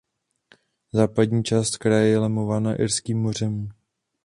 Západní část kraje je lemována Irským mořem.